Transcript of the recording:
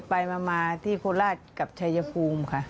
ไปมาที่โคราชกับชายภูมิค่ะ